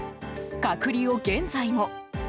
隔離を現在も。